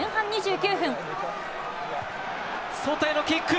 外へのキック。